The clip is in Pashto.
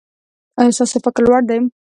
ایا ستاسو فکر لوړ دی؟